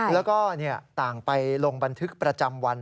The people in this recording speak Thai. แล้วก็ต่างไปลงบันทึกประจำวัน